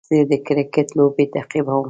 زه د کرکټ لوبې تعقیبوم.